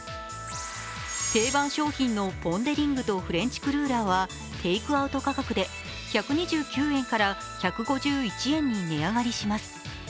定番商品のポン・デ・リングとフレンチクルーラーはテイクアウト価格で１２９円から１５１円に値上がりします。